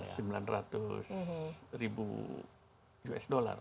sembilan ratus ribu usd